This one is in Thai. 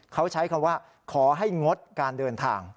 เขาใช้คำว่าขอให้งดการเดินทาง